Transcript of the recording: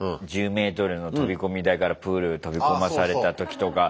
１０ｍの飛び込み台からプールへ飛び込まされた時とか。